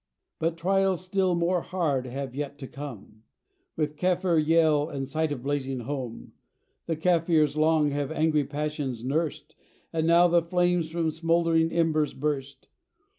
But trials still more hard have yet to come, With Kafir yell and sight of blazing home. The Kafirs long have angry passions nursed, And now the flames from smouldering embers burst.